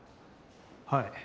はい。